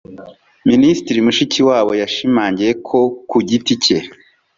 Minisitiri Mushikiwabo yashimangiye ko ku giti cye